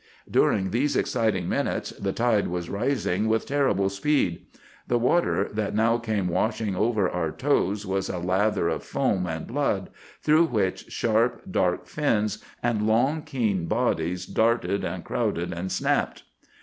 "During these exciting minutes the tide was rising with terrible speed. The water that now came washing over our toes was a lather of foam and blood, through which sharp, dark fins and long keen bodies darted and crowded and snapped.